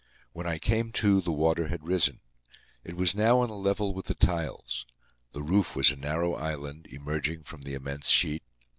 When I came to, the water had risen. It was now on a level with the tiles. The roof was a narrow island, emerging from the immense sheet.